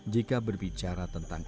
jika berbicara tentang